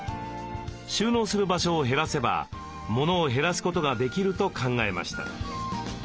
収納する場所を減らせばモノを減らすことができると考えました。